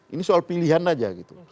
ini soal pilihan aja gitu